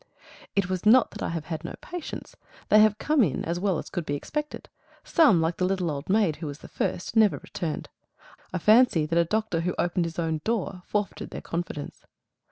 It was not that I have had no patients. They have come in as well as could be expected. Some, like the little old maid, who was the first, never returned. I fancy that a doctor who opened his own door forfeited their confidence.